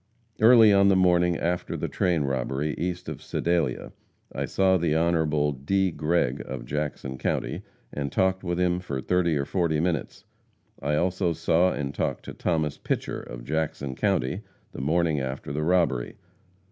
Early on the morning after the train robbery east of Sedalia, I saw the Hon. D. Gregg, of Jackson county, and talked with him for thirty or forty minutes. I also saw and talked to Thomas Pitcher, of Jackson county, the morning after the robbery.